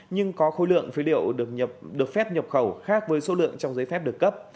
nhưng có khối lượng phế liệu được phép nhập khẩu khác với số lượng trong giấy phép được cấp